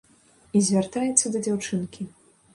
І звяртаецца да дзяўчынкі.